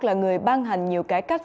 là người ban hành nhiều cải cách